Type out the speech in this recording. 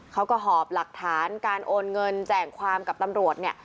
เขาก็หอบหลักฐานการโอนเงินแจ่งความกับตำรวจเนี่ย